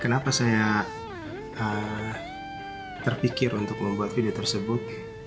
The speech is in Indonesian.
kenapa saya terpikir untuk membuat video tersebut